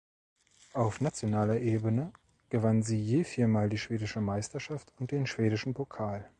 Auf nationaler Ebene gewann sie je viermal die schwedische Meisterschaft und den schwedischen Pokal.